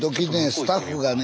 スタッフがね